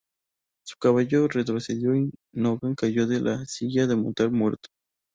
Su caballo retrocedió y Nolan cayó de la silla de montar muerto.